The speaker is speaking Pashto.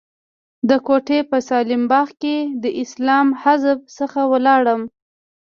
د کوټې په مسلم باغ کې له اسلامي حزب څخه ولاړم.